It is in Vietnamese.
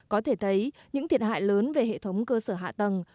có thể thấy những thiệt hại lớn về hệ thống cơ sở hạ tầng